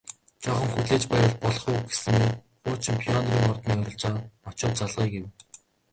Жаахан хүлээж байвал болох уу гэснээ хуучин Пионерын ордны ойролцоо очоод залгая гэв